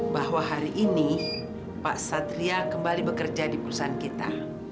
bahwa hari ini pak satria kembali bekerja di perusahaan kita